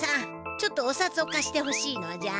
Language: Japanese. ちょっとおさつをかしてほしいのじゃ。